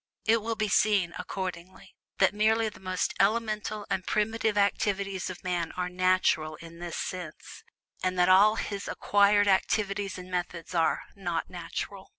It will be seen, accordingly, that merely the most elemental and primitive activities of man are "natural" in this sense; and that all his acquired activities and methods are "not natural."